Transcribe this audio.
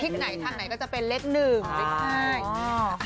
ที่ไหนทางไหนก็จะเป็นเล็ก๑เล็ก๕